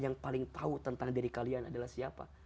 yang paling tahu tentang diri kalian adalah siapa